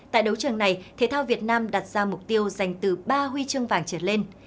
tại đấu trường này thể thao việt nam đặt ra mục tiêu giành từ ba huy chương vàng trở lên